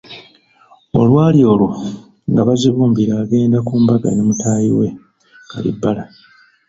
Olwali olwo, nga Bazibumbira agenda ku mbaga ne mutaayi we Kalibbala.